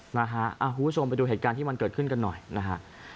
คุณผู้ชมไปดูเหตุการณ์ที่มันเกิดขึ้นกันหน่อยนะฮะ